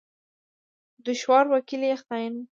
د شورا وکيل يې خائن وو.